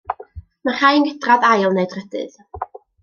Mae rhai yn gydradd ail neu drydydd.